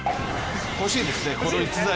欲しいですね、この逸材。